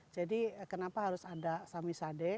jadi kenapa harus ada sambe sade